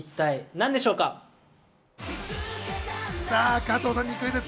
加藤さんにクイズッス！